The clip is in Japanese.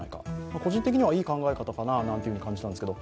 個人的にはいい考えかなと感じたんですけど